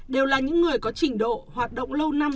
đều là những người có trình độ hoạt động lâu năm